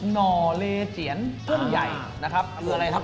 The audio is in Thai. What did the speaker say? หน่อเลยเจี๋ยนกุ้งใหญ่นะครับกรูปจะอะไรครับ